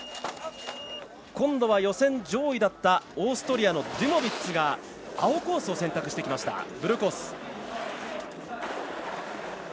今度は予選上位だったオーストリアのデュモビッツが青コースを選択してきました。